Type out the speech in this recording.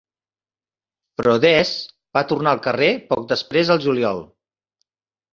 Però Des va tornar al carrer poc després al juliol.